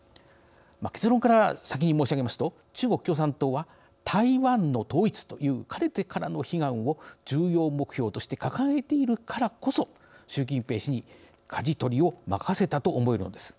結論から先に申し上げますと中国共産党は台湾の統一というかねてからの悲願を重要目標として掲げているからこそ習近平氏にかじ取りを任せたと思えるのです。